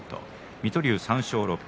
水戸龍、３勝６敗